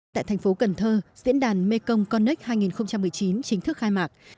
tại thành phố cần thơ diễn đàn mekong connec hai nghìn một mươi chín chính thức khai mạc